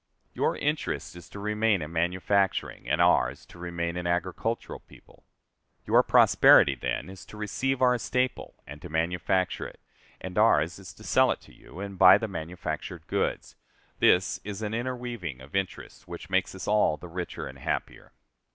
Your interest is to remain a manufacturing, and ours to remain an agricultural people. Your prosperity, then, is to receive our staple and to manufacture it, and ours to sell it to you and buy the manufactured goods. This is an interweaving of interests which makes us all the richer and happier.